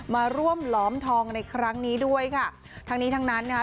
มาร่วมล้อมทองในครั้งนี้ด้วยค่ะทั้งนี้ทั้งนั้นนะคะ